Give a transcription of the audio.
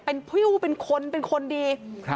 เป็นพริ้วเป็นคนเป็นคนดี